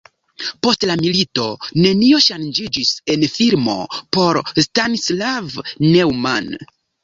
Post la milito nenio ŝanĝiĝis en filmo por Stanislav Neumann.